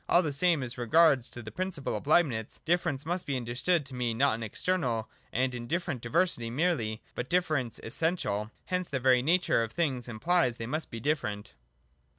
All the same, as regards the principle of Leibnitz, difference must be understood to mean not an external and indifferent diversity merely, but difference essential. Hence the very nature of things implies that they must be different.